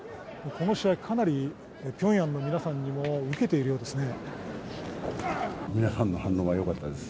この試合、かなりピョンヤンの皆さんにもウケているようですね。